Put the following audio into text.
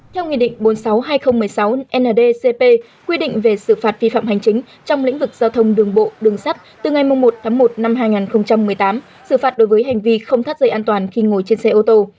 theo nghị định bốn mươi sáu hai nghìn một mươi sáu ndcp quy định về xử phạt vi phạm hành chính trong lĩnh vực giao thông đường bộ đường sắt từ ngày một tháng một năm hai nghìn một mươi tám xử phạt đối với hành vi không thắt dây an toàn khi ngồi trên xe ô tô